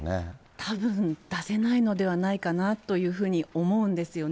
たぶん出せないのではないかなというふうに思うんですよね。